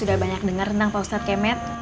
sudah banyak dengar tentang pak ustadz kemet